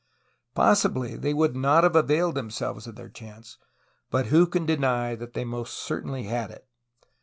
Possibly they w^ould not have availed themselves of their chance, but who can deny that most certainly they had it.